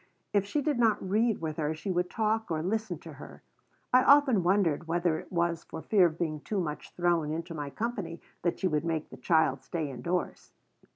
If she did not read with her she would talk or listen to her. I often wondered whether it was for fear of being too much thrown into my company that she would make the child stay indoors.